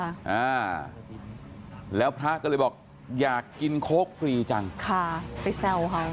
อ่าแล้วพระก็เลยบอกอยากกินโค้กฟรีจังค่ะไปแซวค่ะ